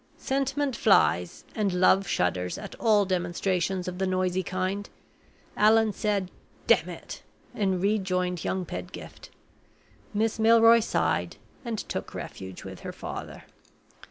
Sentiment flies and Love shudders at all demonstrations of the noisy kind. Allan said: "Damn it," and rejoined young Pedgift. Miss Milroy sighed, and took refuge with her father.